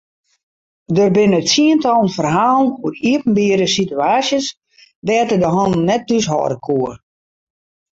Der binne tsientallen ferhalen oer iepenbiere situaasjes dêr't er de hannen net thúshâlde koe.